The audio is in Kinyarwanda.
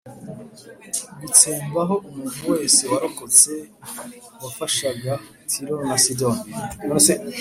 gutsembaho umuntu wese warokotse wafashagac Tiro na Sidoni